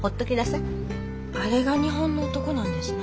あれが「日本の男」なんですね？